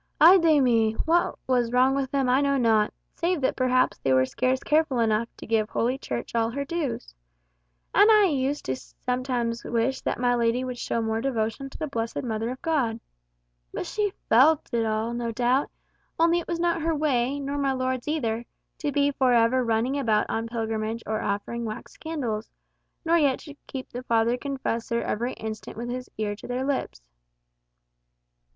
Ay de mi! what was wrong with them I know not, save that perhaps they were scarce careful enough to give Holy Church all her dues. And I used sometimes to wish that my lady would show more devotion to the blessed Mother of God. But she felt it all, no doubt; only it was not her way, nor my lord's either, to be for ever running about on pilgrimage or offering wax candles, nor yet to keep the father confessor every instant with his ear to their lips."